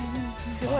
すごい。